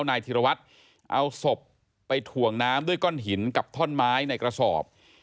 นายธิรวัตรเอาศพไปถ่วงน้ำด้วยก้อนหินกับท่อนไม้ในกระสอบ